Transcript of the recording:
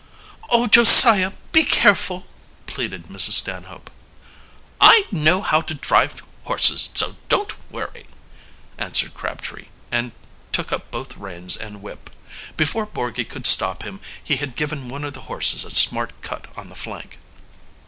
"Oh, Josiah, be careful!" pleaded Mrs. Stanhope. "I know how to drive horses, so don't worry," answered Crabtree, and took up both reins and whip. Before Borgy could stop him he had given one of the horses a smart cut on the flank.